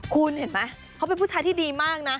คุณเขาเป็นผู้ชายที่ดีมาก